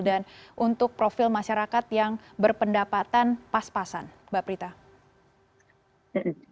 dan untuk profil masyarakat yang berpendapatan pas pasan mbak prita